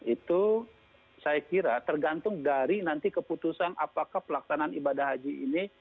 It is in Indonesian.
itu saya kira tergantung dari nanti keputusan apakah pelaksanaan ibadah haji ini